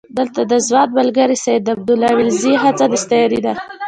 دلته د ځوان ملګري سید عبدالله ولیزي هڅه د ستاینې ده.